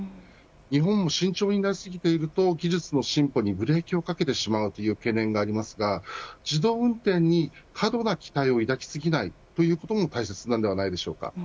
日本も慎重になりすぎていると技術の進歩にブレーキをかけてしまう懸念はありますが自動運転に過度な期待を抱き過ぎないということも大切です。